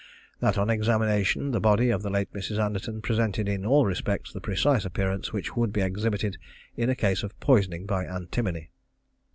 That, on examination, the body of the late Mrs. Anderton presented in all respects the precise appearance which would be exhibited in a case of poisoning by antimony.